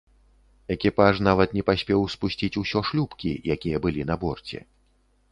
Экіпаж нават не паспеў спусціць усё шлюпкі, якія былі на борце.